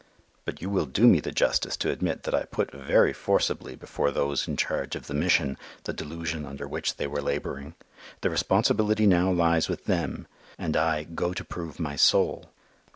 But you will do me the justice to admit that I put very forcibly before those in charge of the Mission the delusion under which they were labouring; the responsibility now lies with them, and I "go to prove my soul."